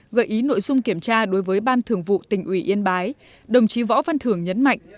gợi ý nội dung kiểm tra đối với ban thường vụ tỉnh ủy yên bái đồng chí võ văn thường nhấn mạnh